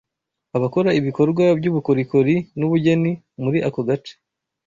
abakora ibikorwa by’ubukorikori n’ubugeni muri ako gace